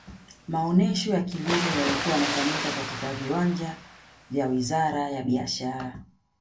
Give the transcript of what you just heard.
maonyesho ya kilimo yalikuwa yanafanyika katika viwanja vya wizara ya biashara